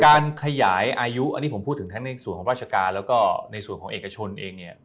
การขยายอายุอันนี้ผมพูดถึงทั้งในส่วนของราชการแล้วก็ในส่วนของเอกชนเองเนี่ย